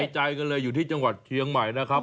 ใจกันเลยอยู่ที่จังหวัดเชียงใหม่นะครับ